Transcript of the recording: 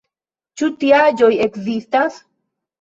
Ĉu tiaĵoj ekzistas?